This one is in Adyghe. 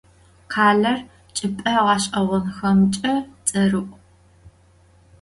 Khaler çç'ıp'e ğeş'eğonxemç'e ts'erı'u.